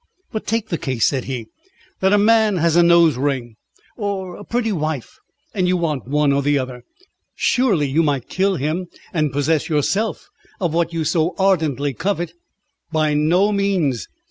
"But take the case," said he, "that a man has a nose ring, or a pretty wife, and you want one or the other. Surely you might kill him and possess yourself of what you so ardently covet?" "By no means.